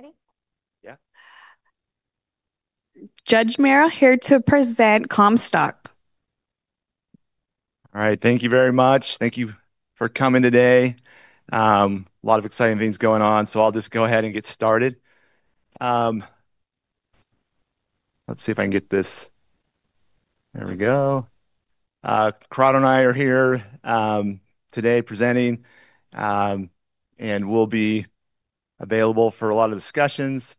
Ready? Judd Merrill here to present Comstock. All right. Thank you very much. Thank you for coming today. A lot of exciting things going on. I'll just go ahead and get started. Let's see if I can get this. There we go. Corrado and I are here today presenting, and we'll be available for a lot of discussions.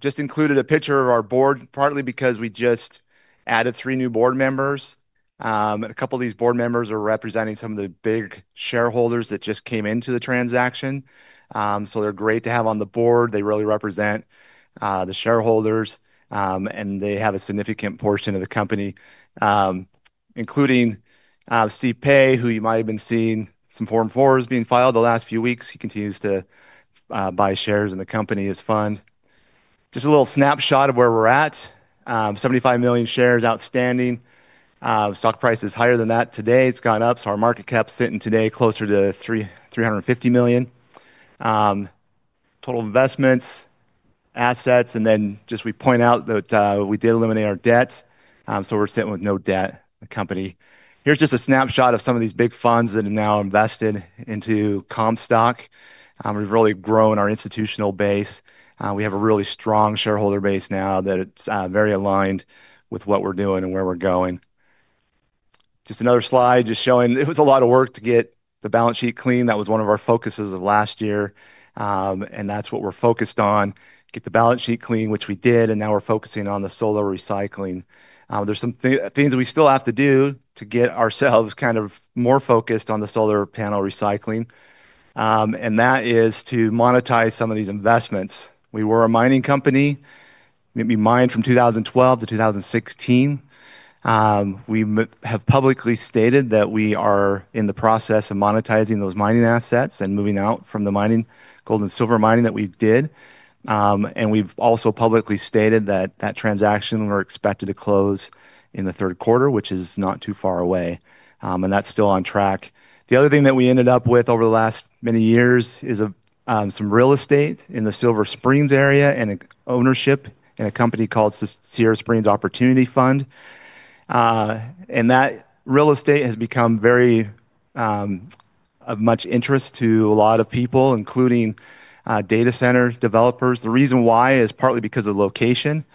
Just included a picture of our board, partly because we just added three new board members. A couple of these board members are representing some of the big shareholders that just came into the transaction. They're great to have on the board. They really represent the shareholders, and they have a significant portion of the company, including Steven Pei, who you might have been seeing some Form 4s being filed the last few weeks. He continues to buy shares in the company as fund. Just a little snapshot of where we're at. 75 million shares outstanding. Stock price is higher than that today. It's gone up. Our market cap sitting today closer to $350 million. Total investments, assets, and then just we point out that we did eliminate our debt. We're sitting with no debt, the company. Here's just a snapshot of some of these big funds that have now invested into Comstock. We've really grown our institutional base. We have a really strong shareholder base now that it's very aligned with what we're doing and where we're going. Just another slide, just showing it was a lot of work to get the balance sheet clean. That was one of our focuses of last year, and that's what we're focused on, get the balance sheet clean, which we did, and now we're focusing on the solar recycling. There's some things we still have to do to get ourselves more focused on the solar panel recycling, and that is to monetize some of these investments. We were a mining company. We mined from 2012 to 2016. We have publicly stated that we are in the process of monetizing those mining assets and moving out from the gold and silver mining that we did. We've also publicly stated that transaction we're expected to close in the third quarter, which is not too far away. That's still on track. The other thing that we ended up with over the last many years is some real estate in the Silver Springs area and ownership in a company called Sierra Springs Opportunity Fund. That real estate has become of much interest to a lot of people, including data center developers. The reason why is partly because of location.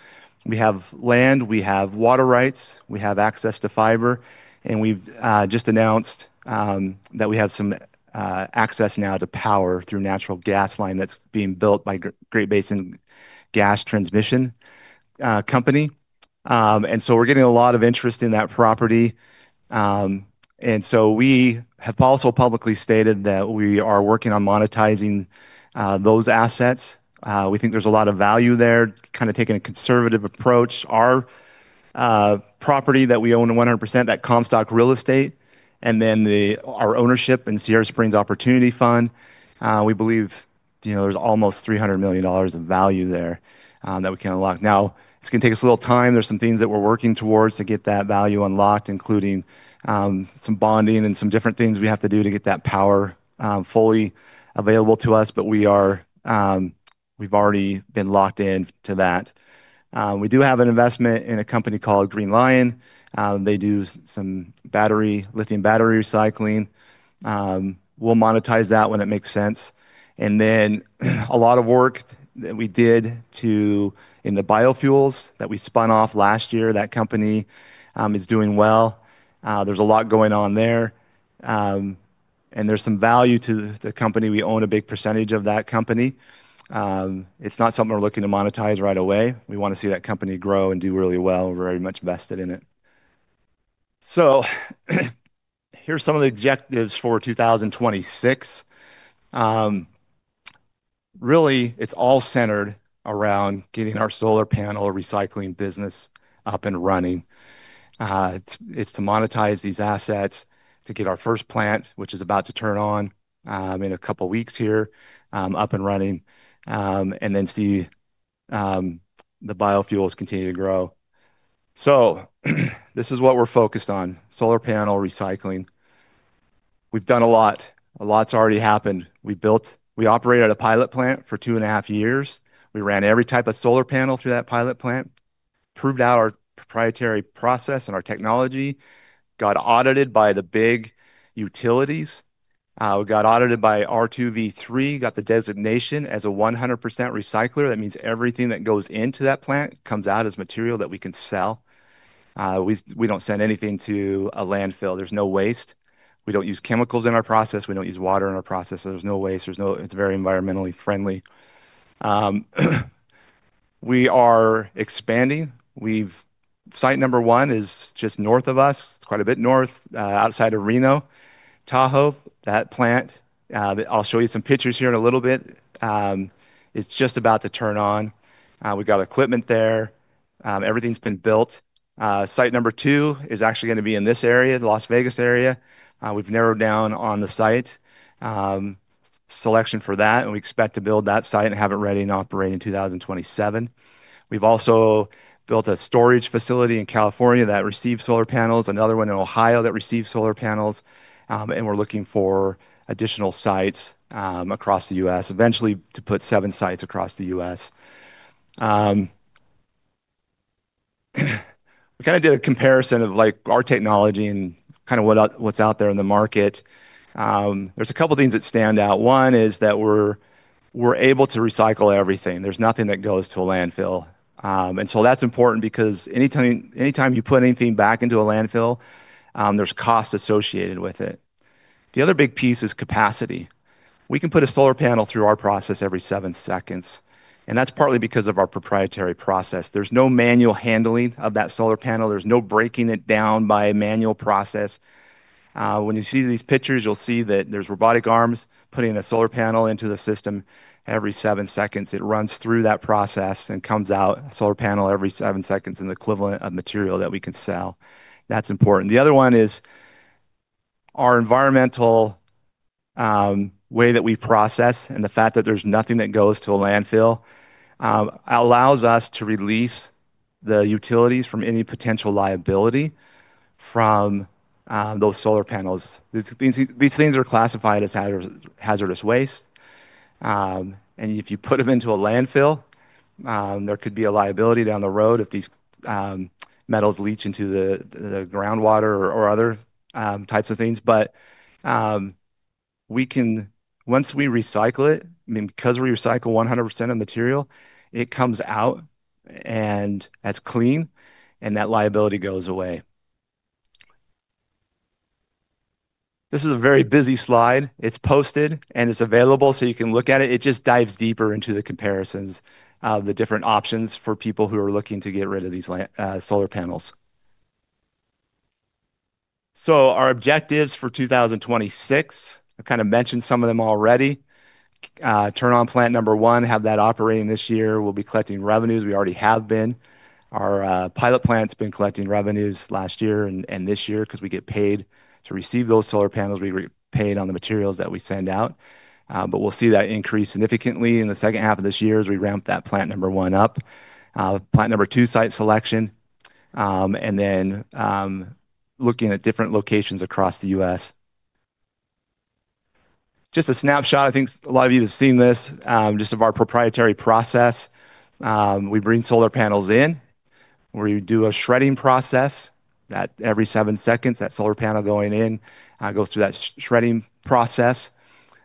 We have land, we have water rights, we have access to fiber, and we've just announced that we have some access now to power through natural gas line that's being built by Great Basin Gas Transmission Company. We're getting a lot of interest in that property. We have also publicly stated that we are working on monetizing those assets. We think there's a lot of value there, taking a conservative approach. Our property that we own 100%, that Comstock real estate, and then our ownership in Sierra Springs Opportunity Fund, we believe there's almost $300 million of value there that we can unlock. Now, it's going to take us a little time. There's some things that we're working towards to get that value unlocked, including some bonding and some different things we have to do to get that power fully available to us. We've already been locked into that. We do have an investment in a company called Green Li-ion. They do some lithium battery recycling. We'll monetize that when it makes sense. A lot of work that we did in the biofuels that we spun off last year. That company is doing well. There's a lot going on there. There's some value to the company. We own a big percentage of that company. It's not something we're looking to monetize right away. We want to see that company grow and do really well. We're very much vested in it. Here's some of the objectives for 2026. Really, it's all centered around getting our solar panel recycling business up and running. It's to monetize these assets to get our first plant, which is about to turn on in a couple of weeks here, up and running. See the biofuels continue to grow. This is what we're focused on: solar panel recycling. We've done a lot. A lot's already happened. We operated a pilot plant for 2.5 years. We ran every type of solar panel through that pilot plant, proved out our proprietary process and our technology, got audited by the big utilities. We got audited by R2v3, got the designation as a 100% recycler. That means everything that goes into that plant comes out as material that we can sell. We don't send anything to a landfill. There's no waste. We don't use chemicals in our process. We don't use water in our process. There's no waste. It's very environmentally friendly. We are expanding. Site number one is just north of us. It's quite a bit north, outside of Reno, Tahoe. That plant, I'll show you some pictures here in a little bit, is just about to turn on. We got equipment there. Everything's been built. Site number two is actually going to be in this area, the Las Vegas area. We've narrowed down on the site selection for that, and we expect to build that site and have it ready and operating in 2027. We've also built a storage facility in California that receives solar panels, another one in Ohio that receives solar panels, and we're looking for additional sites across the U.S., eventually to put seven sites across the U.S. We did a comparison of our technology and what's out there in the market. There's a couple things that stand out. One is that we're able to recycle everything. There's nothing that goes to a landfill. That's important because anytime you put anything back into a landfill, there's cost associated with it. The other big piece is capacity. We can put a solar panel through our process every seven seconds, and that's partly because of our proprietary process. There's no manual handling of that solar panel. There's no breaking it down by a manual process. When you see these pictures, you'll see that there's robotic arms putting a solar panel into the system every seven seconds. It runs through that process and comes out a solar panel every seven seconds, and the equivalent of material that we can sell. That's important. The other one is our environmental way that we process, and the fact that there's nothing that goes to a landfill, allows us to release the utilities from any potential liability from those solar panels. These things are classified as hazardous waste. If you put them into a landfill, there could be a liability down the road if these metals leach into the groundwater or other types of things. Once we recycle it, because we recycle 100% of material, it comes out, and that's clean, and that liability goes away. This is a very busy slide. It's posted, and it's available, so you can look at it. It just dives deeper into the comparisons of the different options for people who are looking to get rid of these solar panels. Our objectives for 2026, I've mentioned some of them already. Turn on plant number one, have that operating this year. We'll be collecting revenues; we already have been. Our pilot plant's been collecting revenues last year and this year because we get paid to receive those solar panels. We get paid on the materials that we send out. We'll see that increase significantly in the second half of this year as we ramp that plant number one up. Plant number two site selection, and then looking at different locations across the U.S. Just a snapshot, I think a lot of you have seen this, just of our proprietary process. We bring solar panels in where you do a shredding process. Every seven seconds, that solar panel going in goes through that shredding process.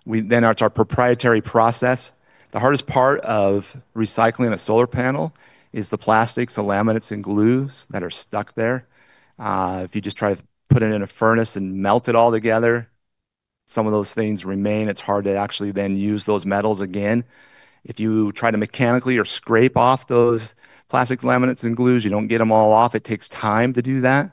Then it's our proprietary process. The hardest part of recycling a solar panel is the plastics, the laminates, and glues that are stuck there. If you just try to put it in a furnace and melt it all together, some of those things remain. It's hard to actually then use those metals again. If you try to mechanically or scrape off those plastic laminates and glues, you don't get them all off. It takes time to do that.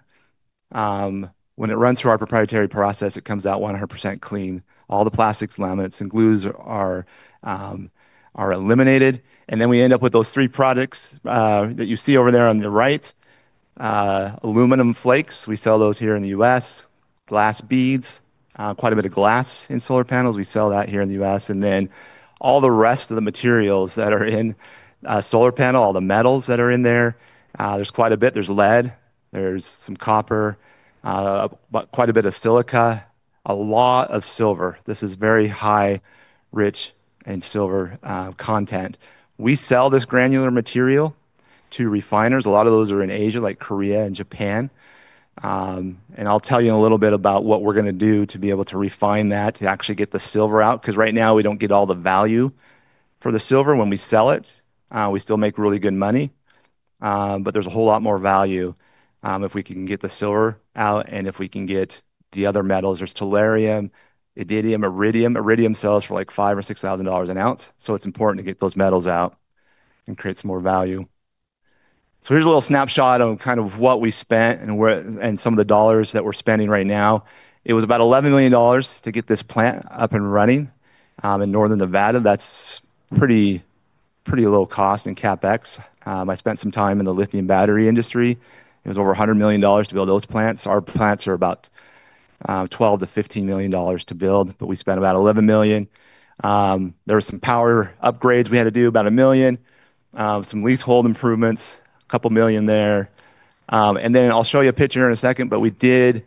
When it runs through our proprietary process, it comes out 100% clean. All the plastics, laminates and glues are eliminated. We end up with those three products that you see over there on the right. Aluminum flakes, we sell those here in the U.S. Glass beads. Quite a bit of glass in solar panels, we sell that here in the U.S. All the rest of the materials that are in a solar panel, all the metals that are in there's quite a bit. There's lead, there's some copper, quite a bit of silica, a lot of silver. This is very high, rich in silver content. We sell this granular material to refiners. A lot of those are in Asia, like Korea and Japan. I'll tell you in a little bit about what we're going to do to be able to refine that to actually get the silver out, because right now, we don't get all the value for the silver when we sell it. We still make really good money, but there's a whole lot more value if we can get the silver out and if we can get the other metals. There's tellurium, iridium. Iridium sells for $5,000 or $6,000 an ounce, so it's important to get those metals out and create some more value. Here's a little snapshot on what we spent and some of the dollars that we're spending right now. It was about $11 million to get this plant up and running in northern Nevada. That's pretty low cost in CapEx. I spent some time in the lithium battery industry. It was over $100 million to build those plants. Our plants are about $12 million-$15 million to build, but we spent about $11 million. There were some power upgrades we had to do, about $1 million. Some leasehold improvements, a couple million there. I'll show you a picture here in a second, but we did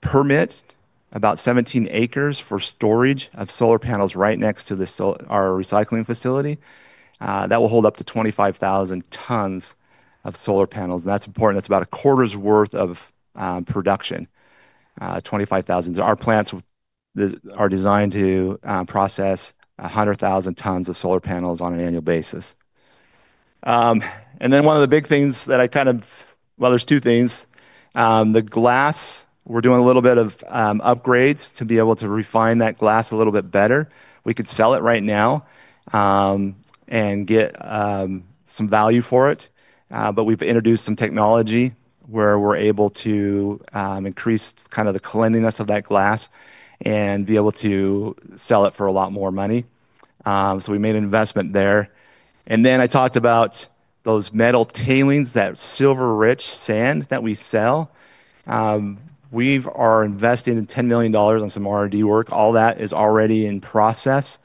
permit about 17 acres for storage of solar panels right next to our recycling facility. That will hold up to 25,000 tons of solar panels. That's important. That's about a quarter's worth of production. 25,000. Our plants are designed to process 100,000 tons of solar panels on an annual basis. One of the big things that I— Well, there's two things. The glass, we're doing a little bit of upgrades to be able to refine that glass a little bit better. We could sell it right now and get some value for it. We've introduced some technology where we're able to increase the cleanliness of that glass and be able to sell it for a lot more money. We made an investment there. I talked about those metal tailings, that silver-rich sand that we sell. We are investing $10 million on some R&D work. All that is already in process.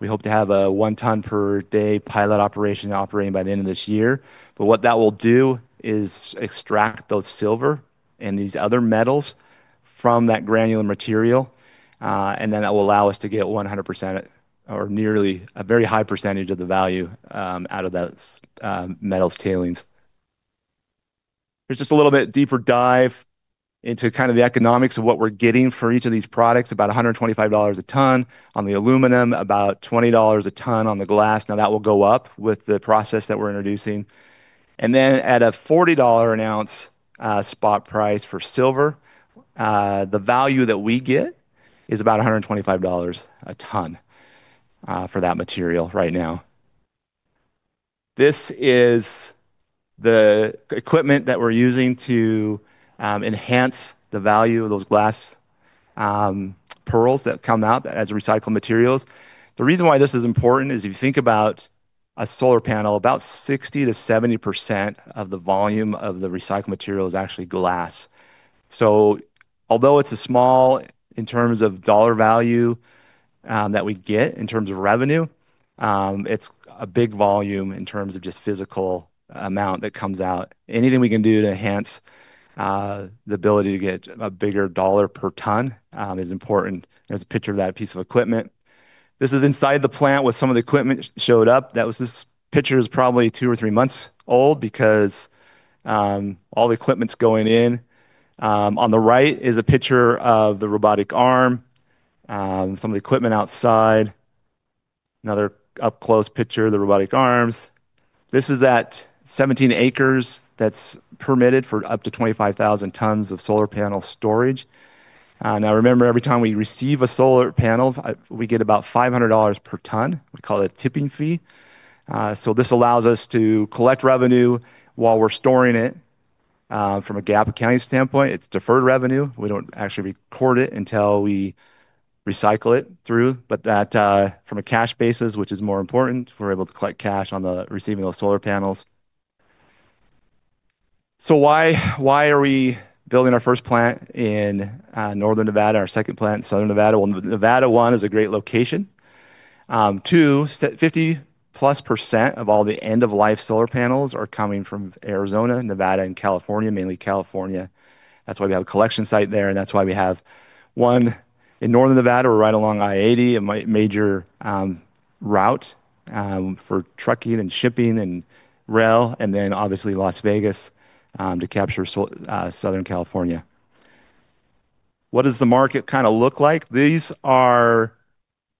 We hope to have a 1-ton per day pilot operation operating by the end of this year. What that will do is extract those silver and these other metals from that granular material, and then that will allow us to get 100%, or nearly a very high percentage of the value out of those metals tailings. Here's just a little bit deeper dive into the economics of what we're getting for each of these products. About $125 a ton on the aluminum, about $20 a ton on the glass. Now, that will go up with the process that we're introducing. At a $40 an ounce spot price for silver, the value that we get is about $125 a ton for that material right now. This is the equipment that we're using to enhance the value of those glass pearls that come out as recycled materials. The reason why this is important is if you think about a solar panel, about 60%-70% of the volume of the recycled material is actually glass. Although it's small in terms of dollar value that we get in terms of revenue, it's a big volume in terms of just physical amount that comes out. Anything we can do to enhance the ability to get a bigger dollar per ton is important. There's a picture of that piece of equipment. This is inside the plant with some of the equipment showed up. This picture is probably two or three months old because all the equipment's going in. On the right is a picture of the robotic arm. Some of the equipment outside. Another up-close picture of the robotic arms. This is at 17 acres, that's permitted for up to 25,000 tons of solar panel storage. Remember, every time we receive a solar panel, we get about $500 per ton. We call it a tipping fee. This allows us to collect revenue while we're storing it. From a GAAP accounting standpoint, it's deferred revenue. We don't actually record it until we recycle it through. From a cash basis, which is more important, we're able to collect cash on the receiving of solar panels. Why are we building our first plant in Northern Nevada, our second plant in Southern Nevada? Nevada, one, is a great location. Two, 50%+ of all the end-of-life solar panels are coming from Arizona, Nevada, and California. Mainly California. That's why we have a collection site there, and that's why we have one in Northern Nevada. We're right along i-80, a major route for trucking and shipping and rail. Obviously, Las Vegas to capture Southern California. What does the market look like? These are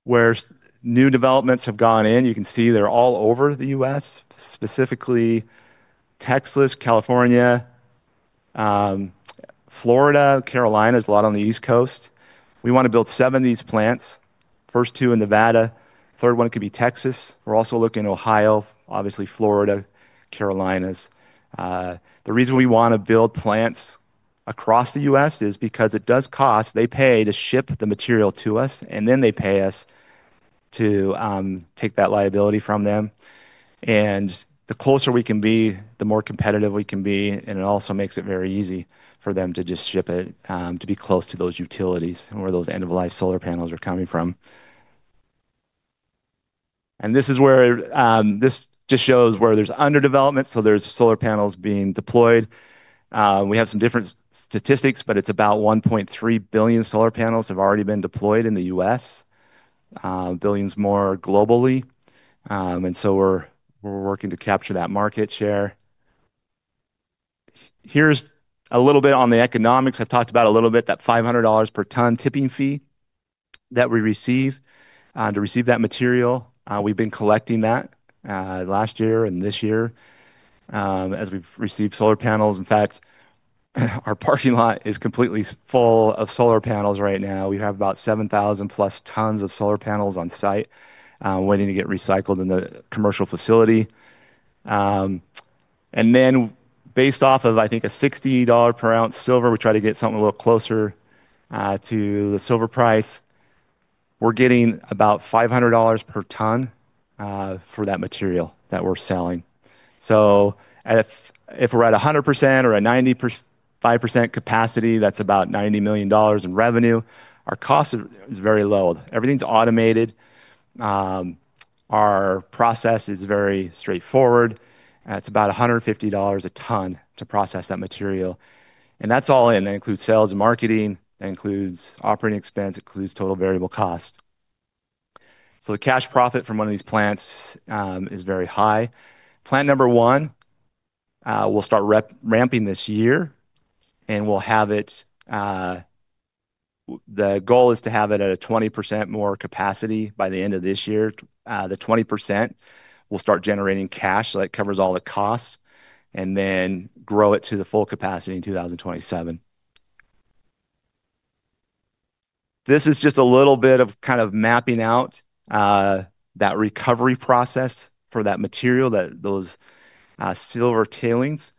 where new developments have gone in. You can see they're all over the U.S., specifically Texas, California, Florida, Carolinas. A lot on the East Coast. We want to build seven of these plants. First two in Nevada, third one could be Texas. We're also looking at Ohio, obviously, Florida, Carolinas. The reason we want to build plants across the U.S. is because it does cost. They pay to ship the material to us, and then they pay us to take that liability from them. The closer we can be, the more competitive we can be, and it also makes it very easy for them to just ship it, to be close to those utilities and where those end-of-life solar panels are coming from. This just shows where there's under development. There's solar panels being deployed. We have some different statistics, but it's about 1.3 billion solar panels have already been deployed in the U.S. Billions more globally. We're working to capture that market share. Here's a little bit on the economics. I've talked about a little bit that $500 per ton tipping fee that we receive to receive that material. We've been collecting that last year and this year as we've received solar panels. In fact, our parking lot is completely full of solar panels right now. We have about 7,000+ tons of solar panels on site waiting to get recycled in the commercial facility. Based off, I think, a $60 per ounce silver, we try to get something a little closer to the silver price. We're getting about $500 per ton for that material that we're selling. If we're at 100% or at 95% capacity, that's about $90 million in revenue. Our cost is very low. Everything's automated. Our process is very straightforward. It's about $150 a ton to process that material, and that's all in. That includes sales and marketing, that includes operating expense, that includes total variable cost. The cash profit from one of these plants is very high. Plant number one, we'll start ramping this year, and the goal is to have it at a 20% more capacity by the end of this year. The 20%, we'll start generating cash, so that covers all the costs, and then grow it to the full capacity in 2027. This is just a little bit of mapping out that recovery process for that material, those silver tailings.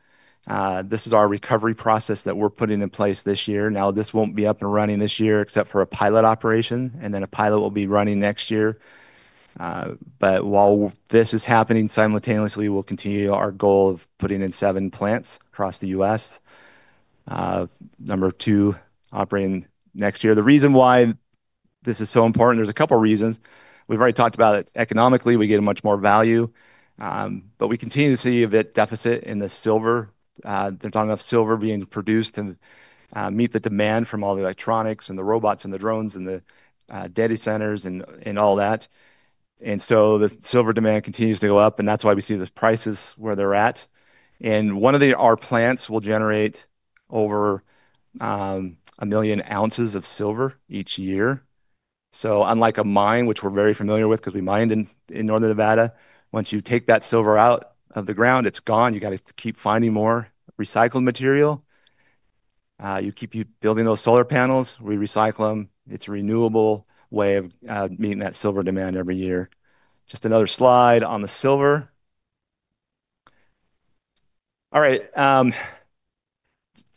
This is our recovery process that we're putting in place this year. Now, this won't be up and running this year except for a pilot operation. A pilot will be running next year. While this is happening simultaneously, we'll continue our goal of putting in seven plants across the U.S.. Number two operating next year. The reason why this is so important. There's a couple reasons. We've already talked about it economically. We get much more value. We continue to see a deficit in the silver. They're talking about silver being produced and meet the demand from all the electronics and the robots and the drones and the data centers and all that. The silver demand continues to go up, and that's why we see the prices where they're at. One of our plants will generate over 1 million ounces of silver each year. Unlike a mine, which we're very familiar with because we mined in northern Nevada, once you take that silver out of the ground, it's gone. You got to keep finding more recycled material. You keep building those solar panels, we recycle them. It's a renewable way of meeting that silver demand every year. Just another slide on the silver. All right.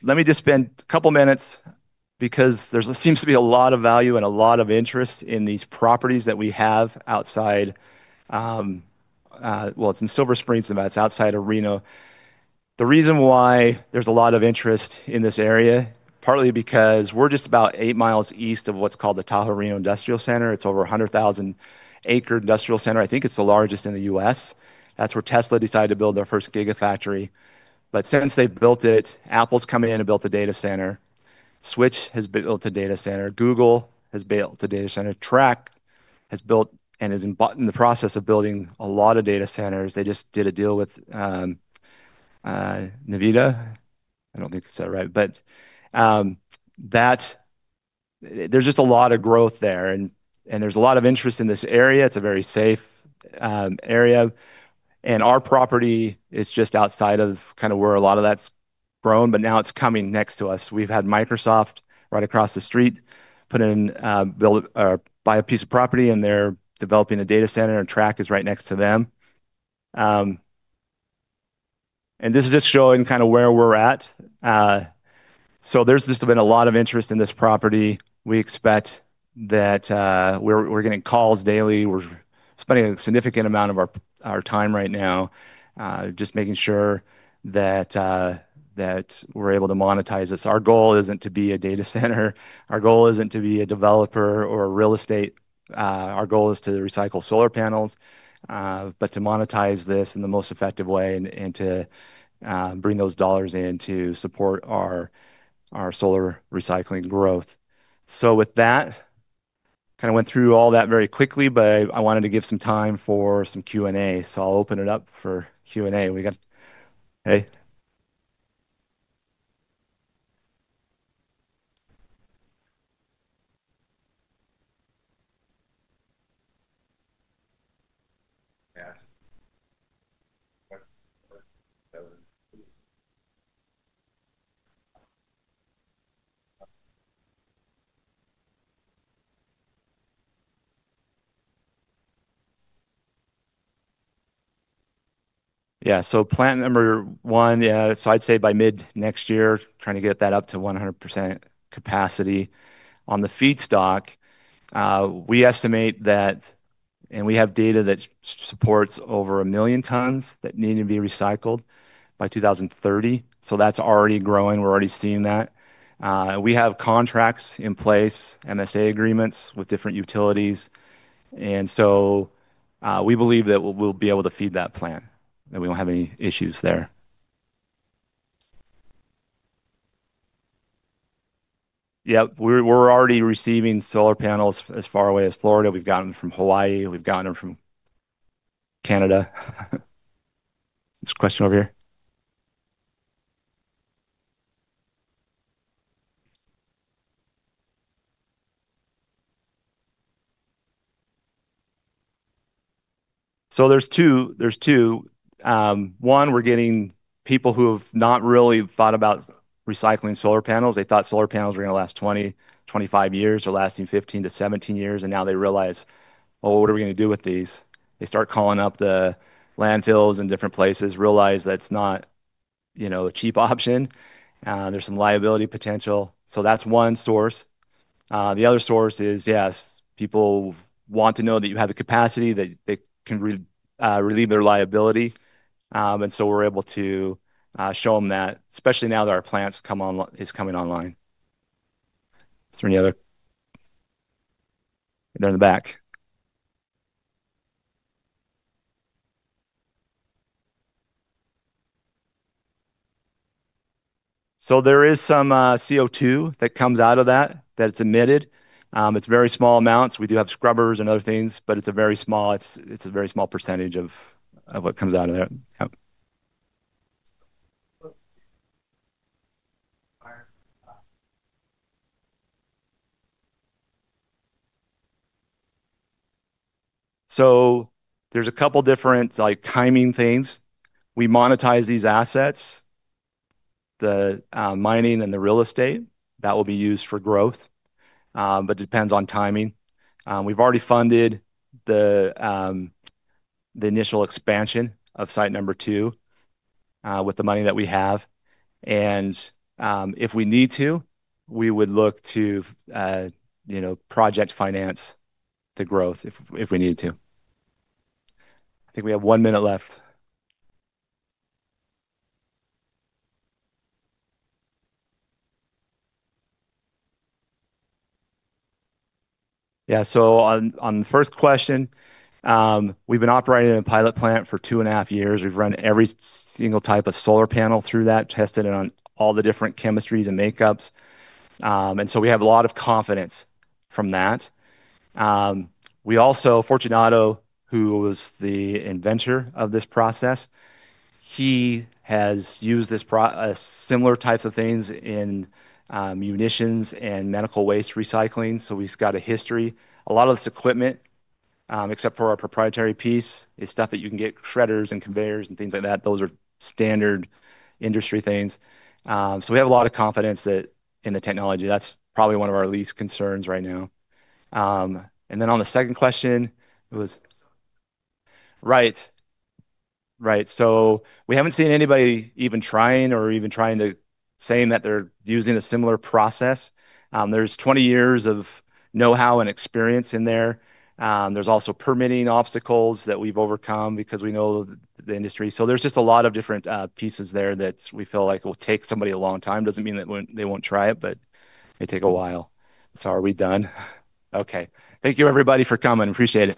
Let me just spend a couple minutes because there seems to be a lot of value and a lot of interest in these properties that we have outside. It's in Silver Springs, Nevada. It's outside of Reno. The reason why there's a lot of interest in this area, partly because we're just about 8 miles east of what's called the Tahoe Reno Industrial Center. It's over 100,000 acre industrial center. I think it's the largest in the U.S. That's where Tesla decided to build their first Gigafactory. Since they've built it, Apple's come in and built a data center. Switch has built a data center. Google has built a data center. Tract has built and is in the process of building a lot of data centers. They just did a deal with Nevada. I don't think I said it right. There's just a lot of growth there, and there's a lot of interest in this area. It's a very safe area. Our property is just outside of where a lot of that's grown, but now it's coming next to us. We've had Microsoft right across the street, buy a piece of property, and they're developing a data center, and Tract is right next to them. This is just showing where we're at. There's just been a lot of interest in this property. We're getting calls daily. We're spending a significant amount of our time right now just making sure that we're able to monetize this. Our goal isn't to be a data center. Our goal isn't to be a developer or a real estate. Our goal is to recycle solar panels, but to monetize this in the most effective way and to bring those dollars in to support our solar recycling growth. With that, kind of went through all that very quickly, but I wanted to give some time for some Q&A. I'll open it up for Q&A. We got Hey. Yeah. Plant number one, yeah. I'd say by mid-next year, trying to get that up to 100% capacity. On the feedstock, we estimate that, and we have data that supports over 1 million tons that need to be recycled by 2030. That's already growing. We're already seeing that. We have contracts in place, MSA agreements with different utilities, and we believe that we'll be able to feed that plant, and we won't have any issues there. Yep. We're already receiving solar panels as far away as Florida. We've gotten them from Hawaii. We've gotten them from Canada. There's a question over here. There's two. One, we're getting people who have not really thought about recycling solar panels. They thought solar panels were going to last 20, 25 years. They're lasting 15 to 17 years, and now they realize, "Oh, what are we going to do with these?" They start calling up the landfills in different places, realize that's not a cheap option. There's some liability potential. That's one source. The other source is, yes, people want to know that you have the capacity, that they can relieve their liability. We're able to show them that, especially now that our plant is coming online. Is there any other? There in the back. There is some CO2 that comes out of that it's emitted. It's very small amounts. We do have scrubbers and other things, but it's a very small percentage of what comes out of there. Yep. There's a couple different timing things. We monetize these assets, the mining and the real estate. That will be used for growth. Depends on timing. We've already funded the initial expansion of site number two with the money that we have. If we need to, we would look to project finance the growth if we need to. I think we have one minute left. Yeah. On the first question, we've been operating a pilot plant for 2.5 years. We've run every single type of solar panel through that, tested it on all the different chemistries and makeups. We have a lot of confidence from that. Fortunato, who was the inventor of this process. He has used similar types of things in munitions and medical waste recycling, so he's got a history. A lot of this equipment, except for our proprietary piece, is stuff that you can get, shredders and conveyors and things like that. Those are standard industry things. We have a lot of confidence in the technology. That's probably one of our least concerns right now. Then on the second question, it was Right. We haven't seen anybody even trying or even saying that they're using a similar process. There's 20 years of know-how and experience in there. There's also permitting obstacles that we've overcome because we know the industry. There's just a lot of different pieces there that we feel like will take somebody a long time. Doesn't mean that they won't try it, but it may take a while. Are we done? Okay. Thank you, everybody, for coming. Appreciate it